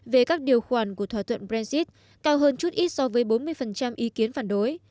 về các điều khoản của thỏa thuận brexit cao hơn chút ít so với bốn mươi ý kiến phản đối